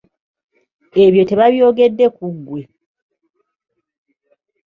Ebyo tebabyogedde ku ggwe.